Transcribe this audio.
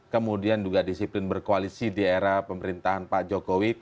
kemudian juga disiplin berkoalisi di era pemerintahan pak jokowi